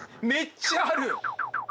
めっちゃある？